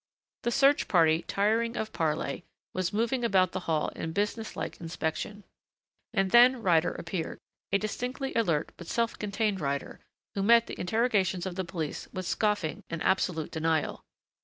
The search party, tiring of parley, was moving about the hall in businesslike inspection. And then Ryder reappeared, a distinctly alert but self contained Ryder, who met the interrogations of the police with scoffing and absolute denial.